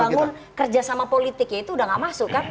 untuk membangun kerjasama politik itu udah nggak masuk kan